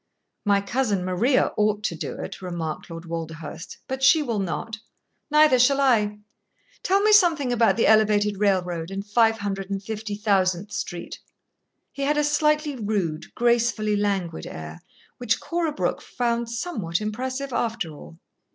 "My cousin Maria ought to do it," remarked Lord Walderhurst, "but she will not neither shall I. Tell me something about the elevated railroad and Five Hundred and Fifty Thousandth Street." He had a slightly rude, gracefully languid air, which Cora Brooke found somewhat impressive, after all.